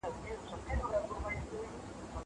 زه پرون د کتابتون د کار مرسته وکړه!!